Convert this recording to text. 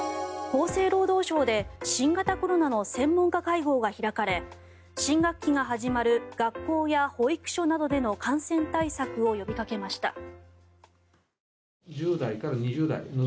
厚生労働省で新型コロナの専門家会合が開かれ新学期が始まる学校や保育所などでの感染対策を呼びかけました。